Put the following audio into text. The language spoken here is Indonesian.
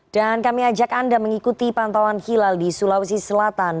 dan kami ajak anda mengikuti pantauan hilal di sulawesi selatan